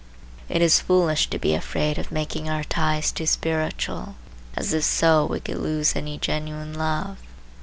It is foolish to be afraid of making our ties too spiritual, as if so we could lose any genuine love.